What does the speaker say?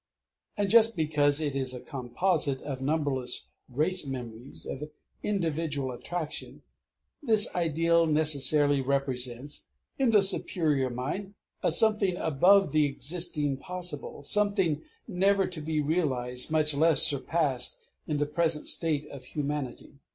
And just because it is a composite of numberless race memories of individual attraction, this ideal necessarily represents, in the superior mind, a something above the existing possible, something never to be realized, much less surpassed, in the present state of humanity.